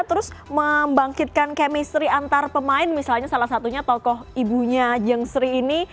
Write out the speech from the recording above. terus membangkitkan chemistry antar pemain misalnya salah satunya tokoh ibunya jeng sri ini